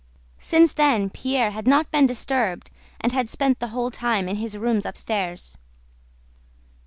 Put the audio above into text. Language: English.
Since then Pierre had not been disturbed and had spent the whole time in his rooms upstairs.